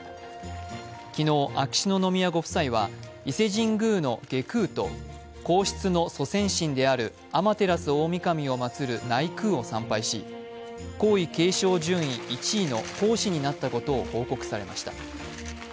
昨日、秋篠宮ご夫妻は伊勢神宮の外宮と皇室の祖先神である天照大御神を祭る内宮を参拝し皇位継承順位１位の皇嗣になったことを報告されました。